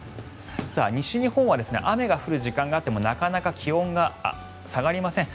西日本は雨が降る時間があってもなかなか気温が下がりません。